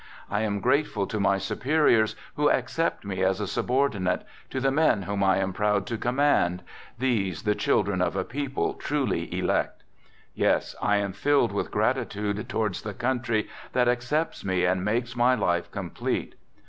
I am grateful to my superiors who accept me as a subordinate, to the men whom I am proud to command, these, the children of a people truly elect. Yes, I am filled with gratitude towards the country that accepts me and makes my life complete.